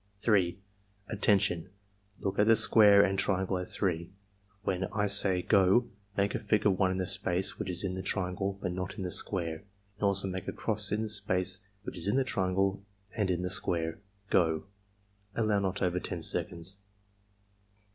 3. "Attention! Look at the square and triangle at 3. When I say 'go' make a figure 1 in the space which is in the triangle but not in the square, and also make a cross in the space which is in the triangle and in the square. — Go!" (Allow not over 10 seconds.)